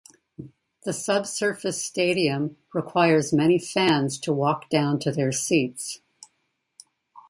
The subsurface stadium requires many fans to walk down to their seats.